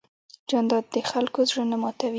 جانداد د خلکو زړه نه ماتوي.